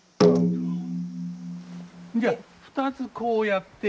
じゃあ２つこうやって。